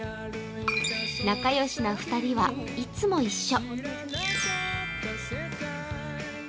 なかよしな２人はいつも一緒。